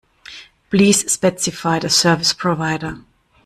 Please specify the service provider.